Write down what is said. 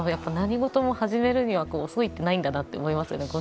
何事も始めるには遅いということはないんだなと思いますね。